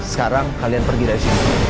sekarang kalian pergi dari sini